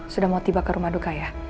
sudah mau tiba ke rumah duka ya